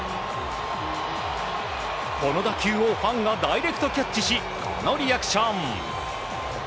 この打球をファンがダイレクトキャッチしこのリアクション。